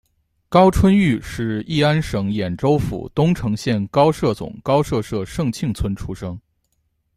高春育是乂安省演州府东城县高舍总高舍社盛庆村出生。